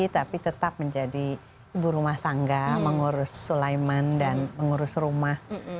tapi tetap menjadi ibu rumah tangga mengurus sulaiman dan mengurus rumah